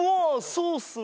そうっすね